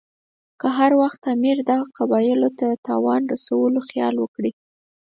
که هر وخت امیر دغو قبایلو ته د تاوان رسولو خیال وکړي.